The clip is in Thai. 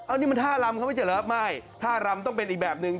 อันนี้มันท่ารำเขาไม่ใช่เหรอไม่ท่ารำต้องเป็นอีกแบบนึง